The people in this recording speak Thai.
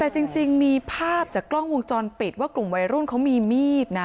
แต่จริงมีภาพจากกล้องวงจรปิดว่ากลุ่มวัยรุ่นเขามีมีดนะ